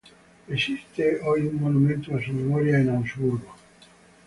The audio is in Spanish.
Existe hoy un monumento a su memoria en Augsburg.